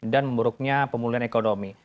dan memburuknya pemulihan ekonomi